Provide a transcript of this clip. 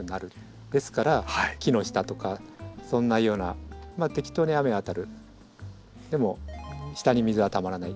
ですから木の下とかそんなようなまあ適当に雨が当たるでも下に水がたまらない